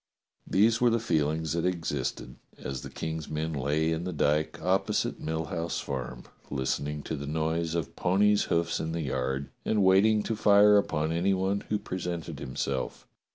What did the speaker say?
These were the feelings that existed as the King's men lay in the dyke opposite Mill House Farm, listen ing to the noise of ponies' hoofs in the yard, and waiting to fire upon any one who presented himself.